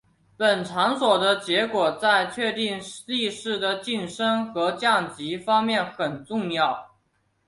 本场所的结果在确定力士的晋升和降级方面很重要。